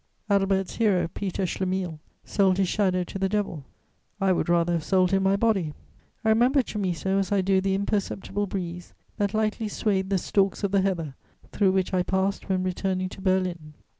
Adelbert's hero, Peter Schlemihl, sold his shadow to the devil: I would rather have sold him my body. I remember Chamisso as I do the imperceptible breeze that lightly swayed the stalks of the heather through which I passed when returning to Berlin.